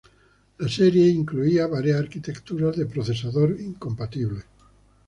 La serie incluía varias arquitecturas de procesador incompatibles.